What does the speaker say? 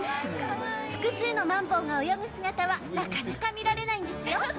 複数のマンボウが泳ぐ姿はなかなか見られないんですよ。